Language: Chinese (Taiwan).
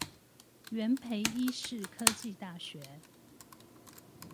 元培醫事科技大學